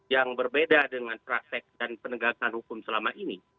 yang berbeda dengan praktek dan penegakan hukum selama ini